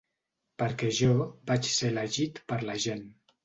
Perquè jo vaig ser elegit per la gent.